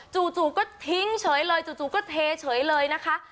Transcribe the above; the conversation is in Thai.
จู่ก็ทิ้งเฉยเลยจู่ก็เทเฉยเลยนะคะ